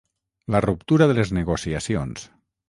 La ruptura de les negociacions.